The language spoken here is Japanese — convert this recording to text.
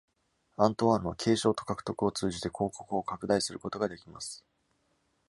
アントワーヌは、継承と獲得を通じて公国を拡大することができます。